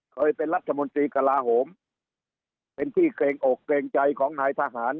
เคยเป็นรัฐมนตรีกระลาโหมเป็นที่เกรงอกเกรงใจของนายทหาร